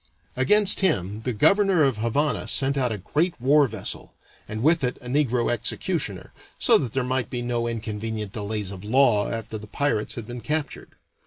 Against him the governor of Havana sent out a great war vessel, and with it a negro executioner, so that there might be no inconvenient delays of law after the pirates had been captured.